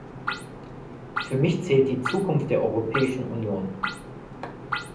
Für mich zählt die Zukunft der Europäischen Union.